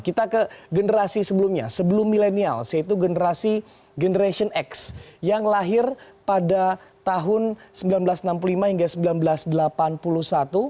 kita ke generasi sebelumnya sebelum milenial yaitu generasi generation x yang lahir pada tahun seribu sembilan ratus enam puluh lima hingga seribu sembilan ratus delapan puluh satu